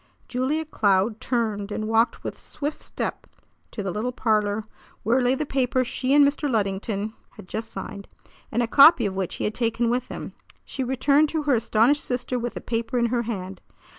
Julia Cloud turned and walked with swift step to the little parlor where lay the paper she and Mr. Luddington had just signed, and a copy of which he had taken with him. She returned to her astonished sister with the paper in her hand.